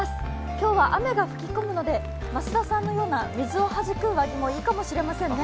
今日は雨が吹き込むので増田さんのような水をはじく上着もいいかもしれませんね。